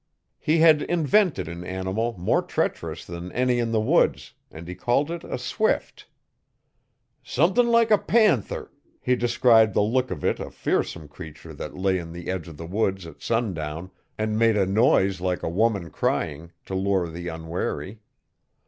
He had invented an animal more treacherous than any in the woods, and he called it a swift. 'Sumthin' like a panther', he described the look of it: a fearsome creature that lay in the edge of the woods at sundown and made a noise like a woman crying, to lure the unwary.